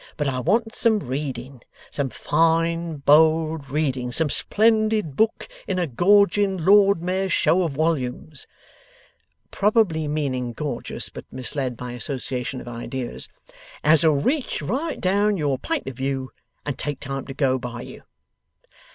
But I want some reading some fine bold reading, some splendid book in a gorging Lord Mayor's Show of wollumes' (probably meaning gorgeous, but misled by association of ideas); 'as'll reach right down your pint of view, and take time to go by you.